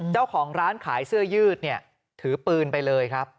เจ้าของร้านขายเสื้อยืดเนี่ยถือปืนไปเลยครับ